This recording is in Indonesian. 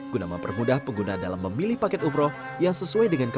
guna mempermudah pengguna dalam memilih paket umroh yang sesuai dengan ketentuan